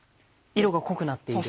色が濃くなっている。